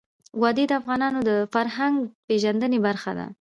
وادي د افغانانو د فرهنګ پیژندني برخه ده.